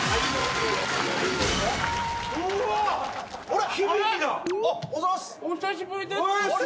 お久しぶりです。